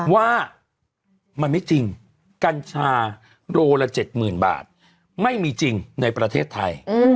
ว่ามันไม่จริงกัญชาโลละ๗๐๐๐บาทไม่มีจริงในประเทศไทย